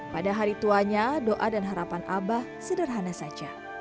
pada hari tuanya doa dan harapan abah sederhana saja